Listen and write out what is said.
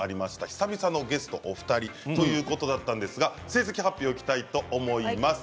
久々のゲストお二人ということで成績発表いきたいと思います。